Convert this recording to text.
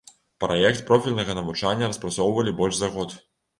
Праект профільнага навучання распрацоўвалі больш за год.